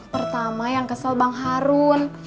pertama yang kesel bang harun